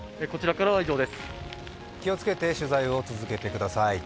気をつけて取材を続けてください。